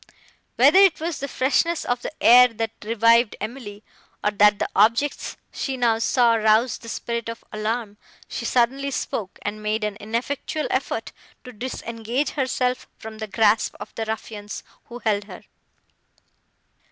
Whether it was the freshness of the air, that revived Emily, or that the objects she now saw roused the spirit of alarm, she suddenly spoke, and made an ineffectual effort to disengage herself from the grasp of the ruffians, who held her.